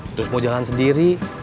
terus mau jalan sendiri